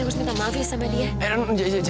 kayaknya nanti aku harus minta maaf ya sama dia